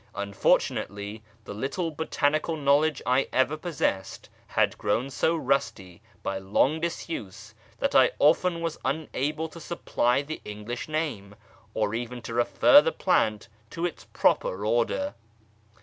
Unfortunately the ittle botanical knowledge I ever possessed had grown so rusty y long disuse that often I was unable to supply the English ame, or even to refer the plant to its proper order.